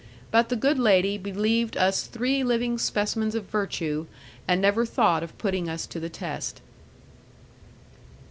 But the good lady believed us three living specimens of virtue, and never thought of putting us to the test.